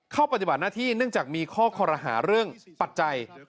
เข้าปัจจุบันนาทีเนื่องจากมีข้อคอรหาเรื่องปัจจัย